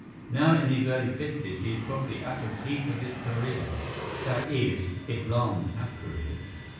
Now in his early fifties, he is probably at the peak of his career that is, if Lamas have careers.